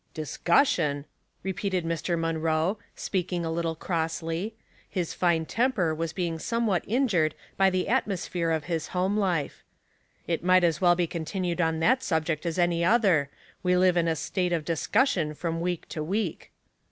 " Discussion !" repeated IMr. Munroe, speaking a little crossly; bis fine temper was being somewhat injured b}^ the atmosphere of his home life. ''It might as well be contin ued on that subject as any other. We live in a state of discussion from week to week."